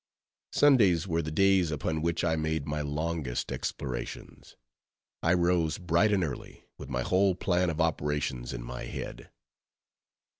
Sundays were the days upon which I made my longest explorations. I rose bright and early, with my whole plan of operations in my head.